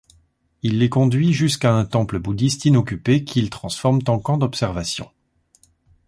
Il les conduit jusqu'à un temple bouddhiste inoccupé, qu'ils transforment en camp d'observation.